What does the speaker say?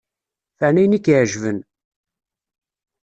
Fren ayen i k-iɛeǧben.